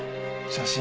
写真。